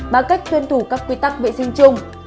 bằng cách tuân thủ các quy tắc vệ sinh chung